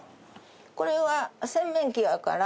これは洗面器やから。